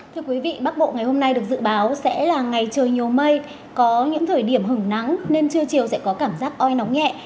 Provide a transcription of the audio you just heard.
thưa quý vị bắc bộ ngày hôm nay được dự báo sẽ là ngày trời nhiều mây có những thời điểm hứng nắng nên trưa chiều sẽ có cảm giác oi nóng nhẹ